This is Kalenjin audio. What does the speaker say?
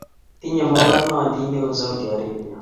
Tinye magornondit neo Saudi Arabia